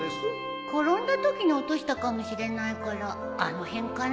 転んだときに落としたかもしれないからあの辺かな。